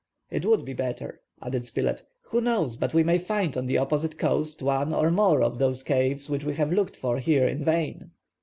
"It would be better," added Spilett; "who knows but we may find on the opposite coast one or more of those caves which we have looked for here in vain."